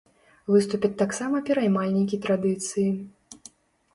Выступяць таксама пераймальнікі традыцыі.